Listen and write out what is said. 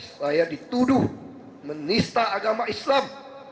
saya dituduh menista agama islam